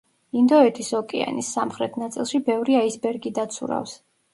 ინდოეთის ოკეანის სამხრეთ ნაწილში ბევრი აისბერგი დაცურავს.